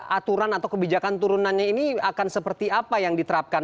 aturan atau kebijakan turunannya ini akan seperti apa yang diterapkan